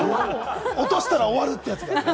落としたら終わるってやつをね。